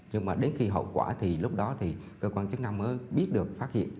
nhưng mà đến khi hậu quả thì lúc đó thì cơ quan chức năng mới biết được phát hiện